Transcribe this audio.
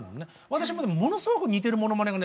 私もものすごく似てるモノマネがね